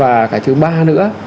và cái thứ ba nữa